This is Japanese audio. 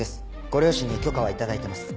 ご両親に許可は頂いてます。